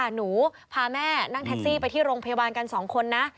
หนูพาแม่นั่งแท็กซี่ไปที่โรงพยาบาลกัน๒คนนะ